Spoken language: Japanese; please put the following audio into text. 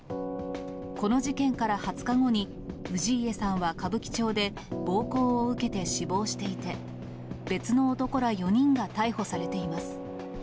この事件から２０日後に、氏家さんは歌舞伎町で暴行を受けて死亡していて、別の男ら４人が逮捕されています。